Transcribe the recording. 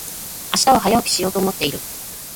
明日は早起きしようと思っている。